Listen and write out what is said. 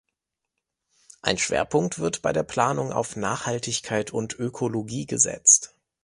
Ein Schwerpunkt wird bei der Planung auf Nachhaltigkeit und Ökologie gesetzt.